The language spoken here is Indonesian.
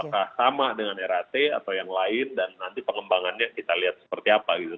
apakah sama dengan rat atau yang lain dan nanti pengembangannya kita lihat seperti apa gitu